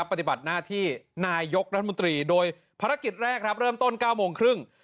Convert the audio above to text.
ปฏิบัติหน้าที่นายกรัฐมนตรีโดยภารกิจแรกครับเริ่มต้น๙โมงครึ่ง